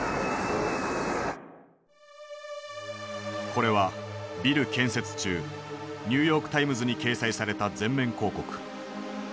これはビル建設中ニューヨークタイムズに掲載された全面広告。